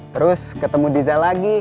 terus ketemu diza lagi